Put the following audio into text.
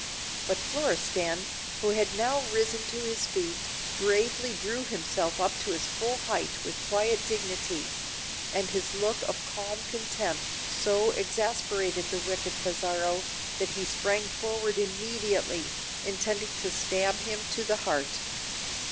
But Florestan, who had now risen to his feet, bravely drew himself up to his full height with quiet dignity; and his look of calm contempt so exasperated the wicked Pizarro, that he sprang forward immediately, intending to stab him to the heart.